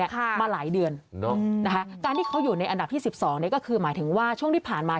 หมายถึงว่าช่วงที่ผ่านมา